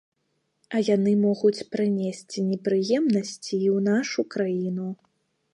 А яны могуць прынесці непрыемнасці і ў нашу краіну.